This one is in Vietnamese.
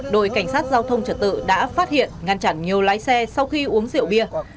đội cảnh sát giao thông trật tự đã phát hiện ngăn chặn nhiều lái xe sau khi uống rượu bia